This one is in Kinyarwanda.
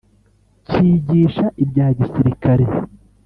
cyigisha ibya gisirikare